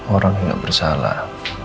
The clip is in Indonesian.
orang yang bersalah